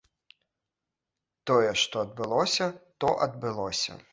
Тое, што адбылося, то адбылося.